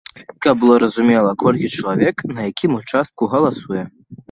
Каб было зразумела, колькі чалавек на якім участку галасуе.